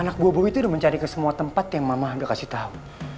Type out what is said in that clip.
anak bu bowie tuh udah mencari ke semua tempat yang mama udah kasih tau